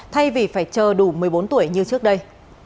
thay vì phải chờ đủ một mươi bốn tuổi như trước đây